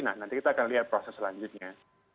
nah nanti kita akan lihat proses selanjutnya